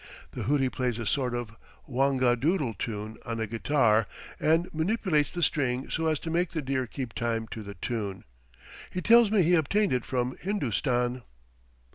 The luti plays a sort of "whangadoodle" tune on a guitar, and manipulates the string so as to make the deer keep time to the tune. He tells me he obtained it from Hindostan.